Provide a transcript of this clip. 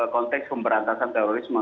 konteks pemberantasan terorisme